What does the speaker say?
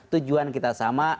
tujuan kita sama